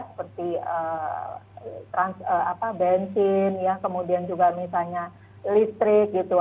seperti bensin kemudian juga misalnya listrik gitu